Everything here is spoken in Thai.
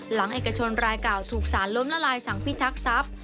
เอกชนรายเก่าถูกสารล้มละลายสั่งพิทักษัพ